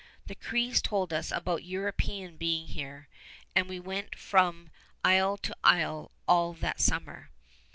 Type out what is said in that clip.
The Crees told us about Europeans being here; and we went from isle to isle all that summer."